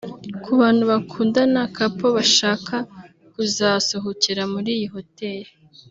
Ku bantu bakundana (Couple) bashaka kuzasohokera muri iyi hoteli